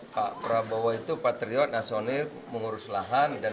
pak prabowo itu patriot nasionalis mengurus lahan